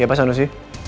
ya pak sanusi